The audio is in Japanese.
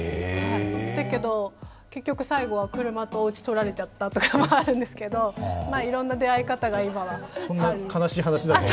だけど、結局、最後は車とおうち取られちゃったというのはあるんですけどいろいろな出会い方が今はあると。